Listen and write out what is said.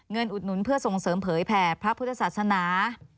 อุดหนุนเพื่อส่งเสริมเผยแผ่พระพุทธศาสนา